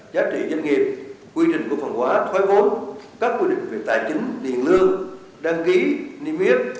giá trị doanh nghiệp quy trình cổ phân hóa thói vốn các quy định về tài chính tiền lương đăng ký niêm yết